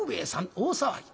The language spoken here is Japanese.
大騒ぎ。